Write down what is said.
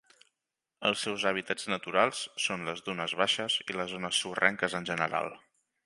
Els seus hàbitats naturals són les dunes baixes i les zones sorrenques en general.